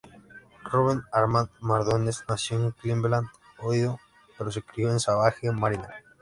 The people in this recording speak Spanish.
Ruben Armand Mardones nació en Cleveland, Ohio, pero se crió en Savage, Maryland.